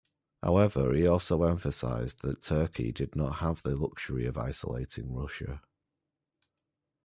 However, he also emphasised that Turkey did not have the luxury of isolating Russia.